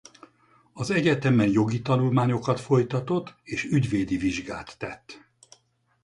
Az egyetemen jogi tanulmányokat folytatott és ügyvédi vizsgát tett.